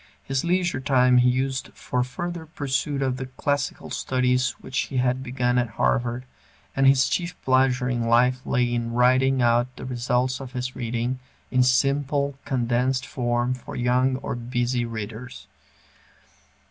His leisure time he used for further pursuit of the classical studies which he had begun at Harvard, and his chief pleasure in life lay in writing out the results of his reading, in simple, condensed form for young or busy readers.